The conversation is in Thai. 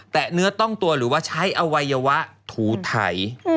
เนื้อต้องตัวหรือว่าใช้อวัยวะถูไถ